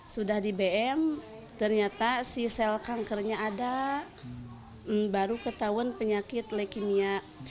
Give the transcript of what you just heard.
sudah di bm ternyata si sel kankernya ada baru ketahuan penyakit leukemia